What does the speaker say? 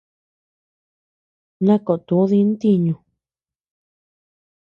Na koʼö tu di ntiñu.